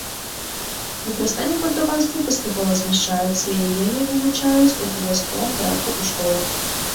Выкарыстанне партугальскай паступова змяншаецца, яе не вывучаюць у абавязковым парадку ў школах.